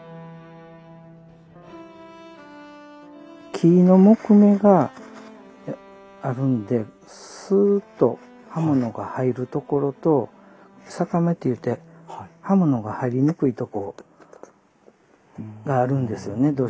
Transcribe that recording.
木の木目があるんでスーっと刃物が入るところと逆目ていうて刃物が入りにくいとこがあるんですよねどうしても。